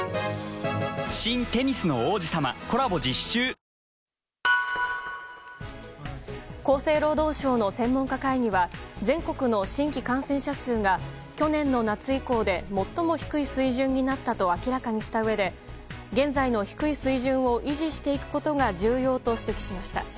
松本町長は、今年９月の厚生労働省の専門家会議は全国の新規感染者数が去年の夏以降で最も低い水準になったと明らかにしたうえで現在の低い水準を維持していくことが重要と指摘しました。